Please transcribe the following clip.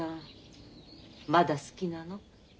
まだ好きなの？